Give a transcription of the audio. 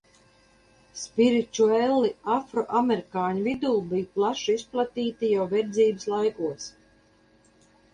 Spiričueli afroamerikāņu vidū bija plaši izplatīti jau verdzības laikos.